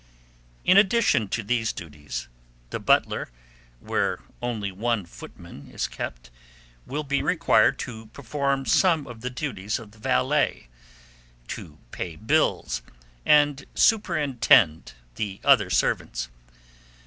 In addition to these duties, the butler, where only one footman is kept, will be required to perform some of the duties of the valet, to pay bills, and superintend the other servants.